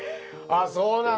あそうなんだ。